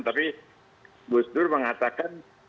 tapi gus dur mengatakan